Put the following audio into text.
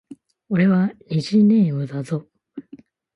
俺は虹ネームだぞ